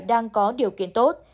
đang có điều kiện tốt